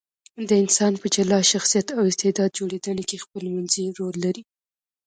د انسان په جلا شخصیت او استعداد جوړېدنه کې خپلمنځي رول لري.